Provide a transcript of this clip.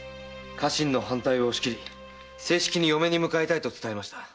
家臣の反対を押し切り正式に嫁に迎えたいと伝えました。